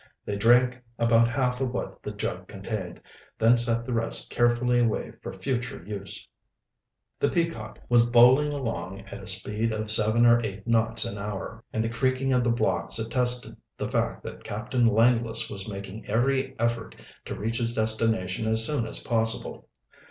They drank about half of what the jug contained, then set the rest carefully away for future use. The Peacock was bowling along at a speed of seven or eight knots an hour, and the creaking of the blocks attested the fact that Captain Langless was making every effort to reach his destination as soon as possible.